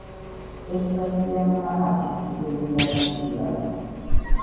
ერთმა ჭკვიანმა ათი სულელი დაჩრდილა.